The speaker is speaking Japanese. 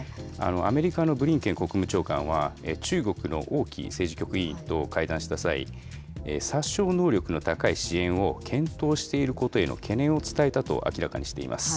アメリカのブリンケン国務長官は、中国の王毅政治局委員と会談した際、殺傷能力の高い支援を検討していることへの懸念を伝えたと明らかにしています。